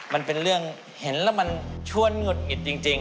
มันเป็นเรื่องเห็นแล้วมันชวนหงุดหงิดจริง